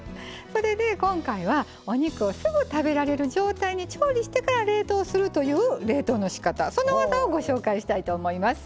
それで今回はお肉をすぐ食べられる状態に調理してから冷凍するという冷凍のしかたその技をご紹介したいと思います。